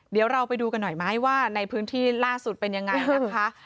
เดี๋ยวเราไปดูกันหน่อยไหมว่าในพื้นที่ล่าสุดเป็นยังไงนะคะ